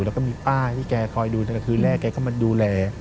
แล้วก็มีป้าที่แกคอยดูตั้งแต่คืนแรกแกก็มาดูแล